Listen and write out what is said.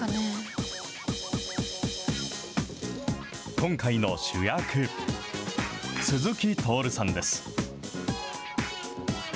今回の主役、鈴木徹さんです。